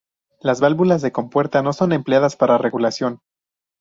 Las válvulas de compuerta no son empleadas para regulación.